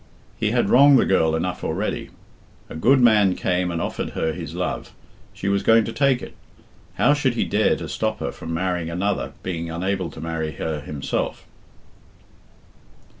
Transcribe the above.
He had wronged the girl enough already. A good man came and offered her his love. She was going to take it. How should he dare to stop her from marrying another, being unable to marry her himself?